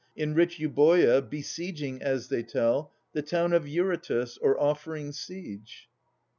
In rich Euboea, besieging, as they tell, The town of Eurytus, or offering siege.